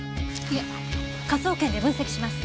いえ科捜研で分析します。